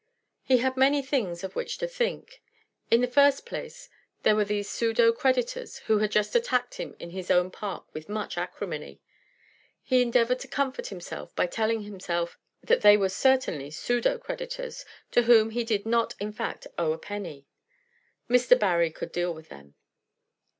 He had many things of which to think. In the first place, there were these pseudo creditors who had just attacked him in his own park with much acrimony. He endeavored to comfort himself by telling himself that they were certainly pseudo creditors, to whom he did not in fact owe a penny. Mr. Barry could deal with them.